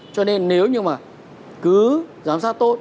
cho nên nếu như mà cứ giám sát tốt